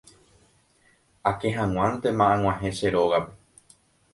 Akehag̃uántema ag̃uahẽ che rógape.